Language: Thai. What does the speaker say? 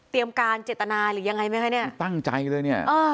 การเจตนาหรือยังไงไหมคะเนี่ยตั้งใจเลยเนี่ย